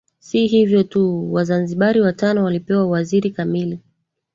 Si hivyo tu Wazanzibari watano walipewa uwaziri kamili